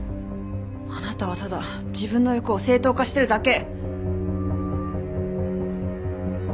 あなたはただ自分の欲を正当化してるだけ。